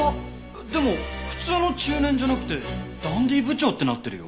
でも「普通の中年」じゃなくて「ダンディー部長」ってなってるよ。